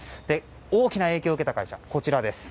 大きな影響を受けた会社こちらです。